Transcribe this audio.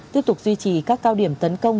tiếp tục duy trì các cao điểm tấn công